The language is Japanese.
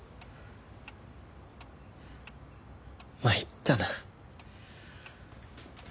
参ったな。